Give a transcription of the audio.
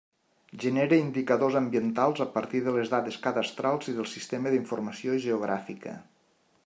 Genera indicadors ambientals a partir de les dades cadastrals i del sistema d'informació geogràfica.